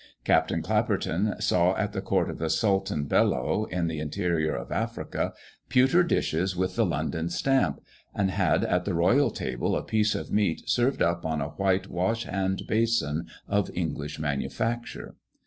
Captain Clapperton saw at the court of the Sultan Bello, in the interior of Africa, pewter dishes with the London stamp, and had at the royal table a piece of meat served up on a white wash hand basin of English manufacture.